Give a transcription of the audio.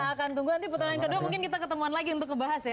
kita akan tunggu nanti putaran kedua mungkin kita ketemuan lagi untuk ngebahas ya